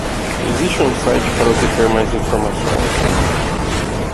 Existe um site para obter mais informações?